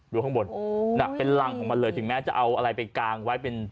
ข้างบนเป็นรังของมันเลยถึงแม้จะเอาอะไรไปกางไว้เป็น